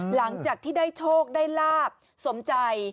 หลังจากที่ได้โชคได้ลาบสมใจ